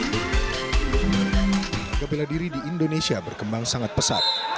pembangunan peladiri di indonesia berkembang sangat pesat